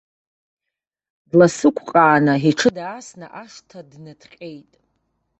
Дласықәҟааны, иҽы даасны ашҭа дныҭҟьеит.